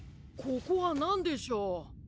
ここはなんでしょう。